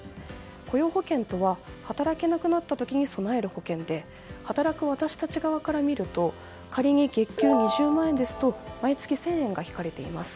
雇用保険とは働けなくなった時に備える保険で働く私たち側から見ると仮に月給２０万円ですと毎月１０００円が引かれています。